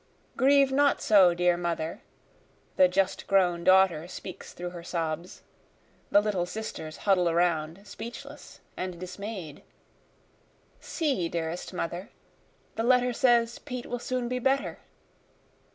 Grieve not so, dear mother, (the just grown daughter speaks through her sobs, The little sisters huddle around speechless and dismay'd,) See, dearest mother, the letter says Pete will soon be better.